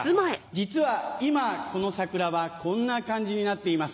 実は今この桜はこんな感じになっています。